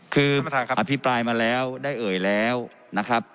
คืออภิปรายมาแล้วได้เอ่ยแล้วนะครับ